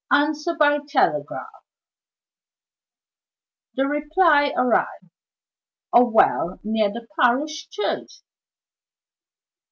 Answer by telegraph." The reply arrived: "A well near the parish church."